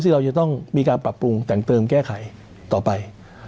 เราจะต้องมีการปรับปรุงแต่งเติมแก้ไขต่อไป